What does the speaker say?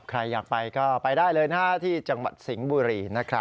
ใครอยากไปก็ไปได้เลยที่จังหวัดสิงห์บุรีนะครับ